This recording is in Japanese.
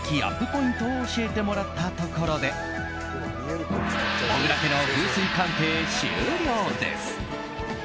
ポイントを教えてもらったところで小倉家の風水鑑定終了です。